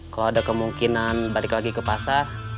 kalau ada kemungkinan balik lagi ke pasar